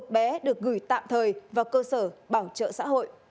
bé được gửi tạm thời vào cơ sở bảo trợ xã hội